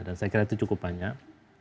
dan saya kira itu cukup banyak